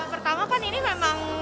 pertama kan ini memang